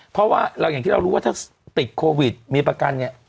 เพราะว่าเราอย่างที่เรารู้ว่าถ้าติดโควิดมีประกันเนี่ย